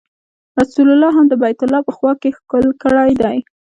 رسول الله هم د بیت الله په خوا کې ښکل کړی دی.